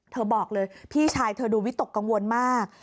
บอกเลยพี่ชายเธอดูวิตกกังวลมาก